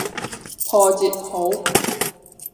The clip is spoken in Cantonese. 破折號